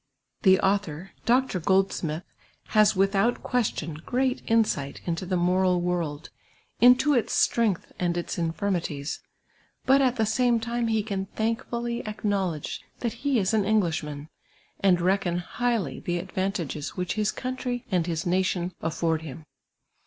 The author, Dr. Goklsmith, has without question great insight into tlie moral world, into its strength and its infinnities : but at the same time he can thankfully acknowledge that he is an Englishman, and reckon highly the advantages which his country and his nation afford him.